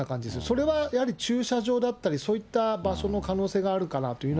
それはやはり駐車場だったり、そういった場所の可能性があるかな